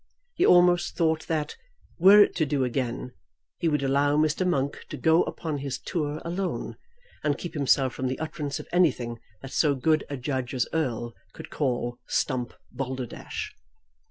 He almost thought that, were it to do again, he would allow Mr. Monk to go upon his tour alone, and keep himself from the utterance of anything that so good a judge as Erle could call stump balderdash.